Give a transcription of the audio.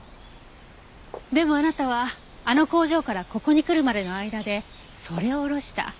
でもあなたはあの工場からここに来るまでの間でそれを降ろした。